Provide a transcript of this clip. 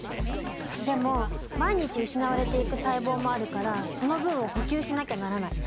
でも毎日失われていく細胞もあるからその分を補給しなきゃならない。